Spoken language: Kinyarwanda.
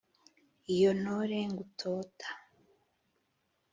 iyo ntore ngutota